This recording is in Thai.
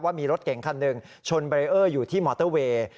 ว่ามีรถเก่งคันหนึ่งชนเบรเออร์อยู่ที่มอเตอร์เวย์